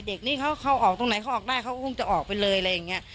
เด็กนี้เขาเข้าออกตรงไหนเขาออกได้เขาก็คงจะออกไปเลยอะไรอย่างนี้